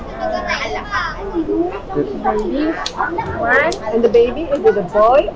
kamu punya tiga adik atau tiga adik